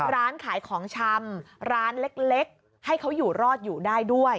ร้านขายของชำร้านเล็กให้เขาอยู่รอดอยู่ได้ด้วย